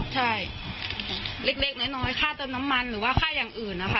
ใช่เล็กน้อยค่าเติมน้ำมันหรือว่าค่าอย่างอื่นนะคะ